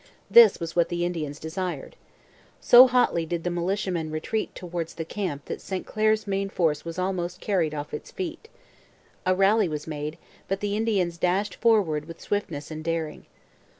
This was what the Indians desired. So hotly did the militiamen retreat towards the camp that St Clair's main force was almost carried off its feet. A rally was made, but the Indians dashed forward with swiftness and daring.